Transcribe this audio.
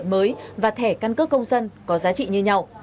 thẻ căn cước công dân và thẻ căn cước công dân có giá trị như nhau